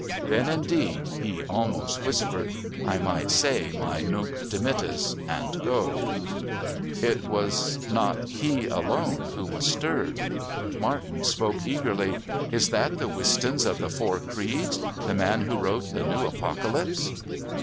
"Then indeed," he almost whispered, "I might say my 'Nunc Dimittis' and go." It was not he alone who was stirred. Martin spoke eagerly: "Is that the Wistons of the Four Creeds? the man who wrote The New Apocalypse?"